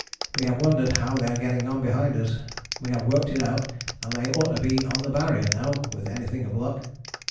We have wondered how they are getting on behind us; we have worked it out and they ought to be on the Barrier now, with anything of luck.